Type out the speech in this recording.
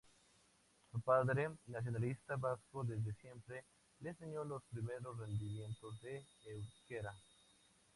Su padre, nacionalista vasco desde siempre, le enseñó los primeros rudimentos de euskera.